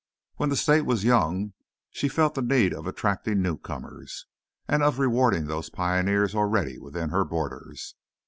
When the state was young, she felt the need of attracting newcomers, and of rewarding those pioneers already within her borders.